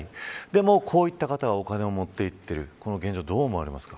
でも、こういった方がお金を持っていっている。